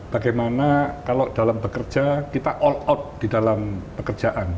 bagaimana kalau dalam bekerja kita all out di dalam pekerjaan